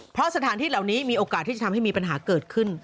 เพราะสถานที่เหล่านี้มีโอกาสที่จะทำให้มีปัญหาเกิดขึ้น